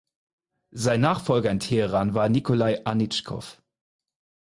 Sein Nachfolger in Teheran war Nikolai Anitschkow.